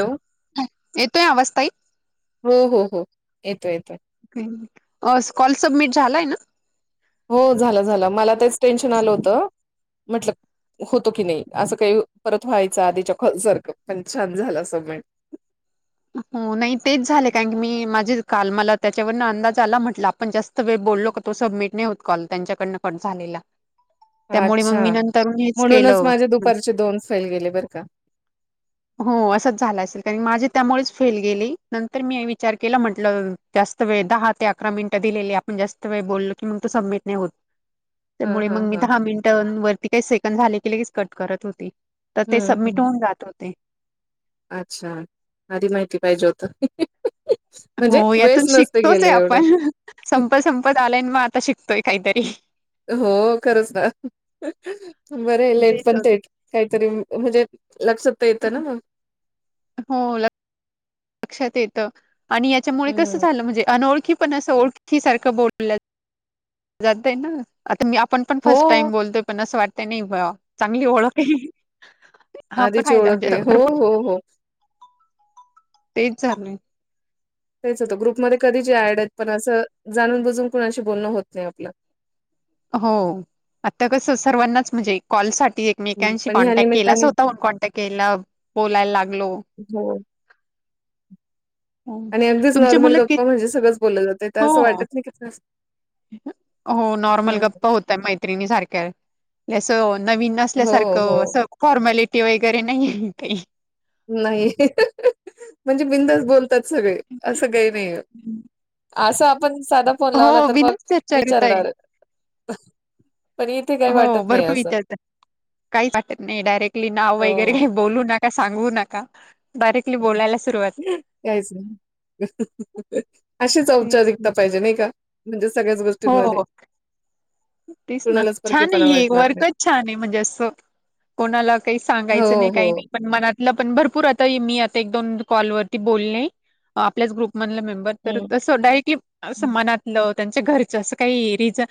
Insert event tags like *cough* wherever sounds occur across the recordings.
Hello येतोय आवाज ताई? हो हो हो येतोय येतोय. कॉल सबमिट झालाय ना? हो झालं झालं मला तेच टेन्शन आलं होतं, म्हटलं होतो की नाही असं काही परत व्हायचं आधीच्या कॉल सारखं पण छान झालं सबमिट. हो नाही तेच झाले कारण मी माझे काल मला त्याच्यावरन अंदाज आला म्हटला आपण जास् त वेळ बोललो का तो सबमिट नाही होत कॉल त्यांच्याकडनं पण झालेला त्यामुळे मग अच्छा मी नंतर हेच म्हणूनच केलं. माझे दुपारचे दोन फेल गेले बरं का हो असंच झालं असेल कारण माझे त्यामुळेच फेल गेली नंतर मी विचार केला म्हटलं जास्त वेळ दहा ते अकरा मिनट दिलेली आप न जास्त वेळ बोललो की मग तो सबमिट नाही होत. हा त्यामुळे हा मग मी हा दहा मिनिटां वरती काही सेकंड झाले की लगेच कट करत होती. तर ते हम्म हम्म सबमिट होऊन जात होते. अच्छा आधी माहिती पाहिजे होत. म्हणजे हो वेळच यातून नसते शिकतोच आहे गेले एवढंच आपण, संपत संपत आलाय मग आता शिकतोय काहीतरी हो खरंच ना, बर आहे लेट तेच पण होते. थेट, काहीतरी म्हणजे लक्षात त येत ना मग, हो लक्षात येत, आणि याच्यामुळे कस हम्म झालं म्हणजे अनोळखी पण असं ओळखी सारखं बोलल्या जात आहे ना, आता म्या पण हो फर्स्ट टाईम बोलतोय, पण असं वाटतय चांगली ओळख आहे. हा पण आधीची फायदा ओळख म्हणजे आहे हो हो.. हो.. तेच *inaudible* तेच होतं, ग्रुपमध्ये कधी चे ऍड आहेत, जाणून बुजून कुणाशी बोलणं होत नाही आपलं हो... आता कसं सर्वांनाच म्हणजे कॉलसाठी हं. एकमेकांशी पण ह्या कॉन्टॅक्ट केलाच निमित्ताने होता, पण कॉन्टॅक्ट केला बोलायला लागलो. हो.. *inaudible* हो. आणि अगदीच तुमची नॉर्मल मुलं कि गप्पा म्हणेजे, सगळंच बोललं जाते असं हो वाटत नाही कि हो नॉर्मल गप्पा होत्या मैत्रिणीसारख्या, हे अस नवीन हो हो असल्यासारखं फॉर्मॅलिटी वगैरे नाही आहे काही, नाही.... म्हणजे बिंदास बोलतात सगळे असं काही नाही. असं, आपण साधा फोन लावला हो तर, मग बिनधास्त विचारताय विचारणार आहेत. हो भरपूर विचारतात, काहीच वाटत नाही डायरेक्टली नाव हो वगैरे बोलू नका, सांगू नका. डायरेक्टली बोलायला सुरुवात काहीच नाही अशीच औपचारिकता पाहिजे, नाही का? म्हणजे सगळया गोष्टींमध्ये हो तेच ना, कुणालाच छान परकेपणा आहे हे वाटणार नाही. वर्कच छान आहे, म्हणजे असं कोणाला काही हो सांगायचं नाही हो. काही नाही, पण मनात ल पण भरपूर आता मी आता एक दोन कॉलवरती बोलले, आपल्याच ग्रुपमधले मेंम्बर तर हम्म. तस डायरेक्टली अस मनातलं, त्यांच्या घरच असं काही रिझन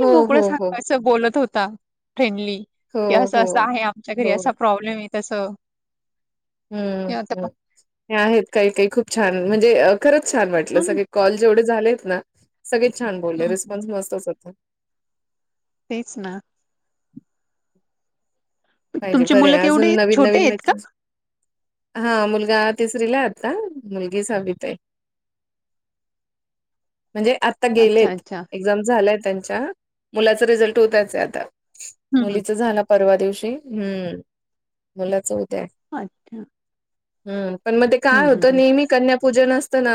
हो, मोकडं हो, हो. सांगा, असं बोलत होता फ्रेंडली हो, कि असं असं हो. आहे आमच्या घरी, असा हो. प्रॉब्लेम आहे तस हम्म.. हम्म.. हे आहेत काही काही खूप छान म्हणजे, खरंच छान वाटलं, हं, सगळे कॉल जेवढे झालेत ना, सगळेच छान बोलले हं, हं. रिस्पॉन्स मस्तच होत. तेच ना पाहिजे तुमची बरे, मुलं अजून केवढे आहेत? नवीन छोटे नवीन आहेत का? हा मुलगा तिसरी ला आता, मुलगी साहावीत आहे. म्हणजे आता आता अच्छा, गेलेत, अच्छा. एक्झाम झालाय त्यांच्या मुलाचा रिझल्ट उद्याच आहे आता हं, हं. मुलीच झालं परवा दिवशी, ''हम्म'' मुलाचं उद्या आहे. अच्छा! हम्म.. पण मग ते काय हं, हं, होतं हं. नेहमी कन्यापूजन असतं ना,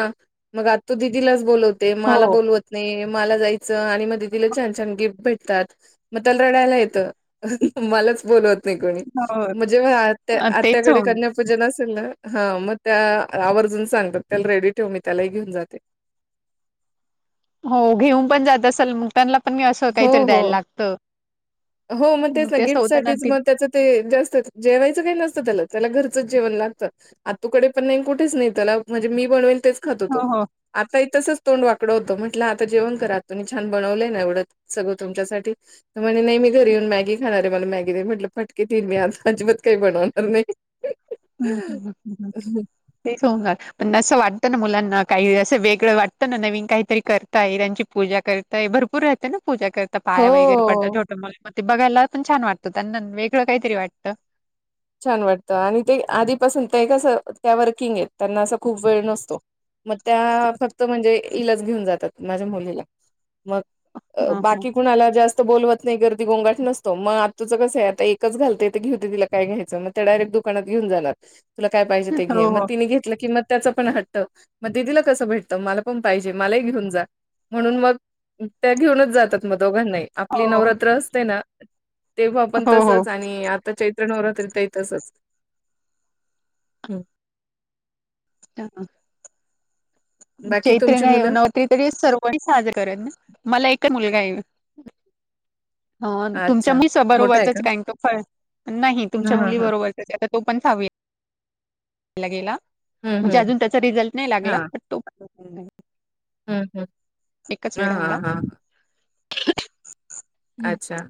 मग आत्तु दिदीलाच बोलवतो. ते हो, मला हो. बोलवत नाही, मला जायचं आणि मग दिदिला छान छान गिफ्ट भेटतात. मग त्याला रडायला येतं, मलाच बोलवत ते कधी म्हणजे ते अ, आ आत्या तेच कडे हो. कन्या पूजन असेल ना हा मग त्या आवर्जून सांगतात त्याला रेडी ठेव मी त्यालाही घेऊन जाते हो घेऊन पण जात असल मग त्यांना पण मी असं हो काहीतरी हो द्यायला लागतं हो मग तेच ना ते असं होताना गिफ्टसाठीच मग त्याचं ते जास्त जेवायचं काही नसतं त्याला- त्याला घरचंच जेवण लागतं आत्तू कडे पण नाही कुठेच नाही त्याला म्हणजे मी बनवेन तेच खातो तो हो, हो. आता ही तसंच तोंड वाकडं होतं म्हटलं आता जेवण कर आत्तू छान बनवलेय ना एवढं सगळं तुमच्यासाठी तर म्हणे नाही मी घरी येऊन मॅगी खाणार आहे मला मॅगी दे म्हटलं फटके देईन मी आता अजिबात काही बनवणार नाही हम्म-हम्म-हम्म-हम्म तेच होणार पण असं वाटत ना मुलांना काही असं वेगळ वाटत ना नवीन काहीतरी कर ताई त्यांची पूजा करतय भरपूर राहते ना पूजा करत. पाया वगैरे पडतं हो. छोट मला म ते बघायला पण छान वाटत त्यांना वेगळ काहीतरी वाटतं. छान वाटतं आणि ते आधीपासून ते कसं त्या वर्किंग आहेत त्यांना असं खूप वेळ नसतो मग त्या फक्त म्हणजे हिलाच घेऊन जातात माझ्या मुलीला मग अ हं, हं. बाकी कुणाला जास्त बोलवत नाही गर्दी गोंगट नसतो मग आत्तुचं कस आहे आता एकच घालते तर घेऊ दे तिला काय घ्यायच मग त्या डायरेक्ट दुकानात घेऊन जाणार तुला काय पाहिजे ते घे हो, मग हो. तिने घेतलं कि मग त्याचा पण हट्ट हट्ट मग दीदी ला कसं भेटत मला पण पाहिजे मला ही घेऊन जा म्हणून मग त्या घेऊनच जातात मग दोघांनाही आपली हो, हो. नवरात्र असते ना तेंव्हा आपण हो, हो. तसच आणि आता चैत्र नवरात्रीत ही तसच हा-हा बाकी चैत्र तुमची नाही मुलं? नवरात्री सर्वांनी साजर करत मला एकच मुलगा आहे. हा तुमच्या अच्छा. मिसळ *inaudible* बरोबर मोठा आहे का? नाही तुमच्या हां, हां, हां. मुलीबरोबर. आता तो पण सहावी ला गेला हं, म्हणजे हं. अजून त्याचा रिझल्ट नाही लागला. हम्म. हम्म-हम्म एकच वेळा का हं. अच्छा.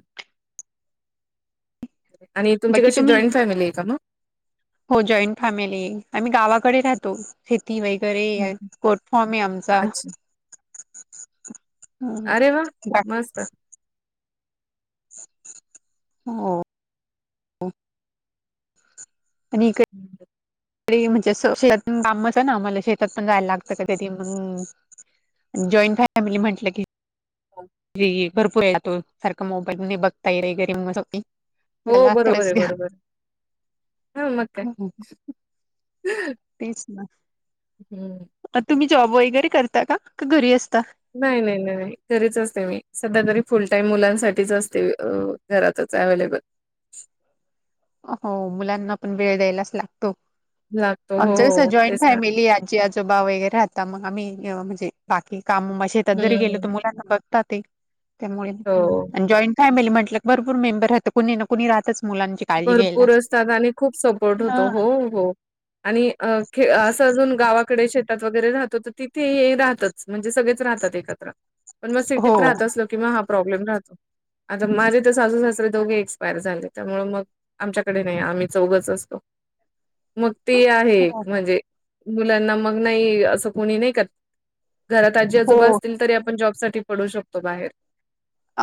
आणि तुमची बाकी कशी तुम्ही जॉईन फॅमिली आहे का मग हो जॉईन फॅमिली आहे आम्ही गावाकडे राहतो खेती वगैरे हं, आहे हं. कोटफार्म आहे आमचा अच्छा. हं. अरे वा मस्त. हो आणि इकडे हम्म. सकाळी म्हणजे अस शेतात काम असत ना आम्हाला शेतात पण जायला लागतं हम्म जॉईन फॅमिली म्हटलं की हो. ये ये भरपूर आहे तो सारखं मोबाईल नाही बघता येत म्हणत होती हो बरोबर आहे बरोबर हा मग काय तेच ना हं. तुम्ही जॉब वगैरे करता का घरी असता नाही -नाही -नाही -नाही घरीच असते मी सध्या तरी फुल टाईम मुलांसाठीच असते घरातच अव्हेलेबल हो मुलांना पण वेळ द्यायलाच लागतो लागतो. आमच कस हो, जॉईन तेच ना. फॅमिली आहे आजी आजोबा वगैरे राहता मग आम्ही, अ म्हणजे बाकी काम मशी त्यात हं, जरी गेलं तर हं. मुलांना बघता ते त्यामुळे,, हो. आणि जॉईंट फॅमिली म्हटलं भरपूर मेंबर राहतं, कूणी ना कुणी राहतच मुलांची काळजी घ्यायला. भरपूर असतात आणि खूप सपोर्ट हा. होतो,, हो हो आणि अ हे असं अजून गावात इकडे शेतात वगैरे राहतो तर तिथे राहतचं,, म्हणजे सगळेच राहतात एकत्र. पण मग हो सिटीत राहत असलं कि हा प्रब्लेम राहतो,, आता माझे तर सासू सासरे दोघे एक्सपायर झालेत त्यामुळे मग. आमच्याकडे नाही, आम्ही चौघंच असतो, मग ते आहे हो हो. म्हणजे मुलांना मग नाही असं कोणी नाही कर,, घरात आजी आजोबा हो असतील तरी आपण जॉब साठी पडू शकतो बाहेर.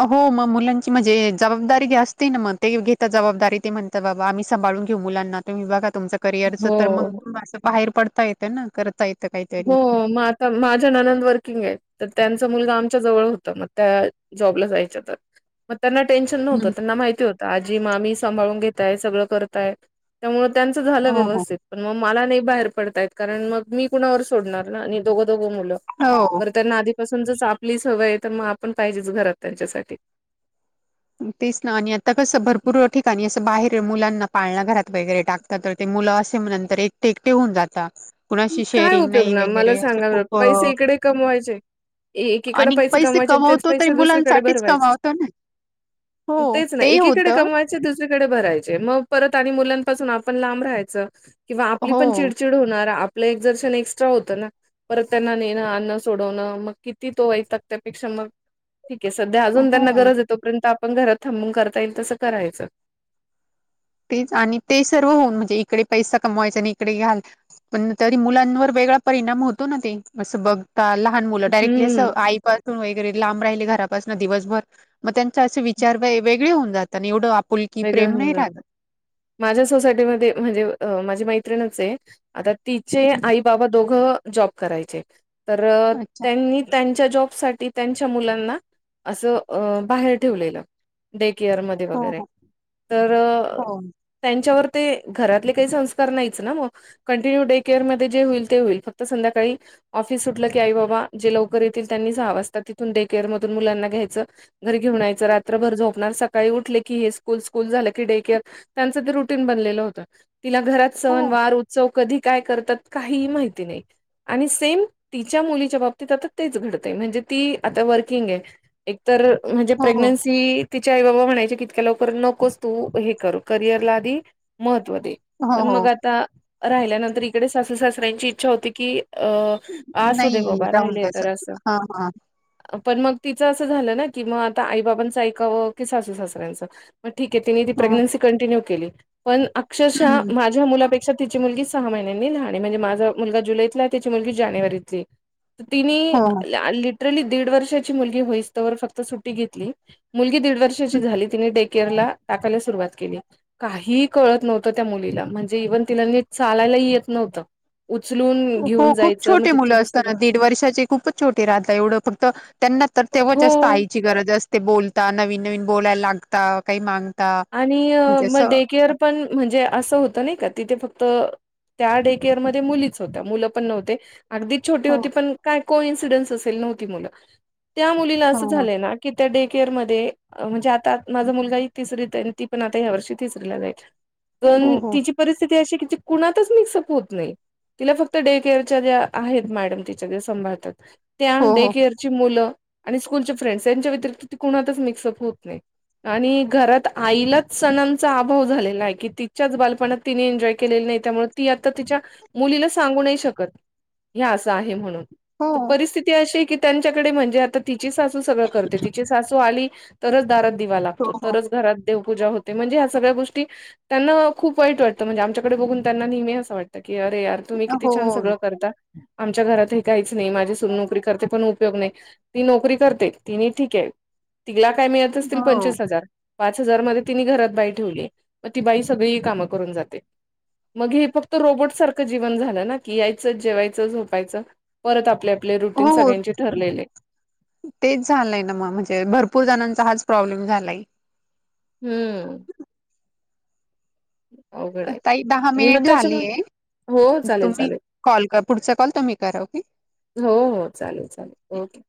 अ हो मग मुलांची म्हणजे जबाबदारी जे असते ना मग, ते घेता जबाबदारी ते म्हण ता बाबा आम्ही संभाळून घेऊ मुलांना, तुम्ही बघा तुमचं करिअरचं, तर हो मग असं बाहेर पडता येतं ना करता येत हो म आत माझ्या ननंद वर्किंग आहे, तर त्यांचा मुलगा आमच्या जवळ होता मग त्या जॉबला जायच्या तर मग त्यांना टेन्शन नव्हतं,, हं, त्यांना माहिती होतं आजी, मामी सांभाळून घेतायत, सगळं करतायत त्यामुळं त्यांचं झालं हो, हो. व्यवस्थित, पण मग मला नाही बाहेर पडता येत, कारण मग मी कुणावर सोडणार ना? आणि दोघ, दोघं मुलं हो. बर त्यांना आधी पासुन जसं आपली सवय आहे, तर मग आपण पाहिजेच घरात त्यांच्यासाठी. तेच ना, आणि आता कसं भरपूर ठिकाणी असं बाहेर मुलांना पाळणा घरात वगैरे टाक तात, तर ते मुलं असे म नंतर एकटे एकटे होऊन जाता. की कुणाशी काय शेअरिंग उपयोग नाही ना मला वगैरे असं सांगा,, खूप अ, पैसे इकडे कमवायचे एकीकडं आणि पैसे कमवायचे आणि तेच कमवतो तरी पैसे दुसरीकडं मुलांसाठीच भरवायचे. कमावतो ना. हो, मग तेच ना,, ते एकीकडे होतं. कमावाय च दुसरीकडे भरायचे,, मग परत आणि मुलांपासून आपण लांब राहायचं. किंवा आपली पण हो, चिडचिड होणार, आपलं एगजरशन एक्स्ट्रा होतं ना? परत त्यांना नेणं, आणणं, सोडवणं मग किती तो एक तर त्यापेक्षा मग ठीक आहे, सध्या अजून त्यांना हो. गरज आहे यतोपर्यंत आपण घरात थांबून करता येईल तसं करायचं. तेच आणि ते सर्व होऊन म्हणजे, इकडे पैसा कमवायचा आणि इकडे घाल पण तरी मुलांवर वेगळा परिणाम होतो ना ते,, असं बघ आता लहान मुलं डायरेक्टली असं, हम्म आईपासून वगैरे लांब राहिले घरापासून दिवसभर मग त्यांचा असे विचार व वेगळे होऊन जात, आणि एवढं आपुल वेगळं होऊन जातं. माझ्या सोसायटीमध्ये म्हणजे अं माझी मैत्रिणच आहे आता तिचे आई बाबा दोघं जॉब करायचे,, तर अच्छा त्यांनी त्यांच्या जॉब साठी त्यांच्या मुलांना,, अ असं बाहेर ठेवलेलं. डे केअर मध्ये हो वगैरे. तर हो त्यांच्यावर ते,, घरातले काही संस्कार नाहीच ना मग कंटिन्यू डे केअरमध्येध जे होईल ते होईल,, फक्त संध्याकाळी ऑफिस सुटलं की आई बाबा, जे लवकर येतील त्यांनी सहा वाजता तिथून डे केअर मधून मुलांना घ्यायचं घरी घेऊन यायचं, रात्रभर झोपणार, सकाळी उठले की फुल्ल स्कूल झालं की डे केअर,, त्यांच ते रुटीन बनलेलं होतं. तिला घरात हो सण, हो वार, उत्सव कधी काय करतात काहीही माहिती नाही. आणि सेम तिच्या मुलीच्या बाबतीत आता तेच घडतयं,,, म्हणजे ती आता वर्किंग आहे एक तर म्हणजे हो हो प्रेग्नन्सी,, तिचे आई बाबा म्हणायचे कि इतक्या लव पण नकोच तू हे कर करिअरला आधी महत्त्व दे, हो पण हो मग आता राहिल्यानंतर इकडे सासू सासऱ्यांची इच्छा होती की, अं आसू दे नाही बाबा राहून राहिले त्याच तर असं. हां हां पण मग तिचं असं झालं ना की मग आता आई बाबांचं ऐकावं, की सासू सासऱ्यांचं. मग ठीक आहे तिने ती हो प्रेग्न्सी कंटिन्यू केली पण हं अक्षरशः माझ्या मुलापेक्षा तिची मुलगी सहा महिन्यांनी लहान आहे आणि म्हणजे माझा मुलगा जुलैतला आहे तिची मुलगी जानेवारीतली आहे. तिने हं आधी लाल तिने दीड वर्षाची मुलगी होईस तोवर फक्त सुट्टी घेतली मुलगी दीड वर्षाची झाली ती केअर ला टाकायला सुरुवात केली. काहीही कळत नव्हतं त्या मुलीला म्हणजे इव्हन तिला नीट चालायलाही येत नव्हतं. उचलून हो घेऊन खूप जायचं छोटे मग मुलं तिने असता सोडत ना दीड वर्षाचे. खूपच छोटी राहात एवढं फक्त त्यांना तर तेव्हाच जास्त हो. आई गरज असते बोलता नवीन नवीन बोलायला लागता, काही माग आणि मग डे केअर पण म्हणजे असं होतं नाही का तिथे फक्त त्या डे केअरमध्ये मुलीच होत्या मुलं पण नव्हते. अगदीच छोटी हो होती पण काय को इन्सिडन्स असेल नव्हती मुलं त्या मुलीला हां, अस हां. झाले ना. कि त्या डे केयर मध्ये म्हणजे आता माझा मुलगा ही तिसरीत, तर ती पण आता ह्या वर्षी तिसरीला जाईल हो, पण हो. तिची परिस्थिती अशी की जी कुणाातच मिक्सअप होत नाही. तिला फक्त डे केअरच्या ज्या आहेत मॅडम तिच्या ज्या सांभाळतात त्या हो, डे हो. केअर ची मुलं आणि स्कूलचे फ्रेंड्स यांच्या वेतरिक्त ती कुणातच मिक्सअप होत नाही आणि घरात आईलाच सणांचा अभाव झालेला आहे की तिच्याच बालपणात तिने एन्जॉय केलेला नाही त्यामुळे ती आता तिच्या मुलीला सांगू नाही शकत हे असं आहे म्हणून, हो. तर परिस्थिती अशी की त्यांच्याकडे म्हणजे आता तिची सासू सगळं करते तिची सासू आली तरच दारात दिवा हो, लागतो, हो. तरच घरात देवपूजा होते म्हणजे ह्या सगळ्या गोष्टी त्यांना खूप वाईट वाटतं म्हणजे आमच्याकडे बघून त्यांना नेहमी असं वाटतं की अरे यार, तुम्ही किती छान हो. सगळं करता आमच्या घरात हे काहीच नाही माझी सून नोकरी करते पण उपयोग नाही. ती नोकरी करते तिने ठीक आहे तिला काय मिळत असतील हो. पंचवीस हजार पाच हजार मध्ये तिने घरात बाई ठेवली मग ती बाई सगळी कामं करून जाते. मग हे फक्त रोबोट सारखं जीवन झालं ना, की यायचं जेवायचं, झोपायचं, परत आपले आपले रूटीन हो. सगळ्यांचे ठरलेले. तेच झालंय ना मग म्हणजे भरपूर जणांचा हाच प्रॉब्लेम झालाय. हम्म *inaudible* आताई दहा आणि मग मिनिट त्याच्यामुळे झालीय. हो चालेल तुम्ही चालेल कॉल क पुढचा कॉल तुम्ही करा. ओके हो हो चालेल चालेल ओके.